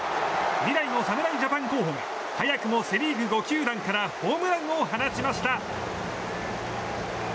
未来の侍ジャパン候補が早くもセ・リーグ５球団からホームランを放ちました。